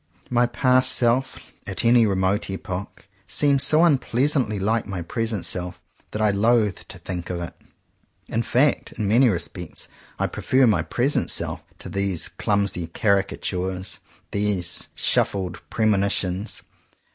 My past self, at any remote epoch, seems so unpleasantly like my present self that I loathe to think of it. In fact, in many respects, I prefer my present self to these clumsy caricatures, these shuffled premonitions.